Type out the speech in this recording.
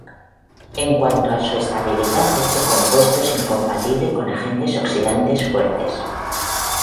En cuanto a su estabilidad, este compuesto es incompatible con agentes oxidantes fuertes.